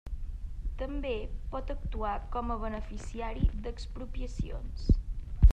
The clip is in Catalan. També pot actuar com a beneficiari d'expropiacions.